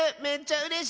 うれしい！